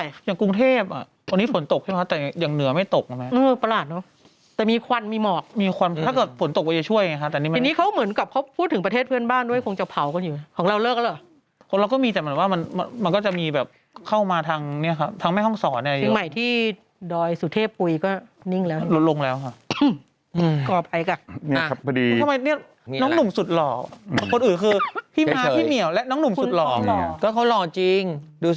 อย่างกว่าเรียกว่าแม่งกันอย่างกว่าเมืองกันอย่างกว่าเมืองกันอย่างกว่าเมืองกันอย่างกว่าเมืองกันอย่างกว่าเมืองกันอย่างกว่าเมืองกันอย่างกว่าเมืองกันอย่างกว่าเมืองกันอย่างกว่าเมืองกันอย่างกว่าเมืองกันอย่างกว่าเมืองกันอย่างกว่าเมืองกันอย่างกว่าเมืองกันอย่างกว่าเมืองกันอย่าง